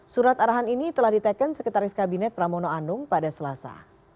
surat arahan ini telah diteken sekretaris kabinet pramono anung pada selasa